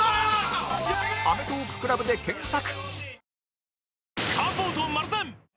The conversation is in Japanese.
「アメトーーク ＣＬＵＢ」で検索